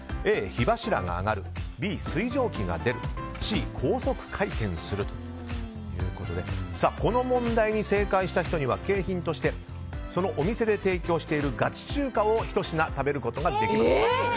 Ａ、火柱が上がるＢ、水蒸気が出るＣ、高速回転するということでこの問題に正解した人には景品として、そのお店で提供しているガチ中華をひと品、食べることができます。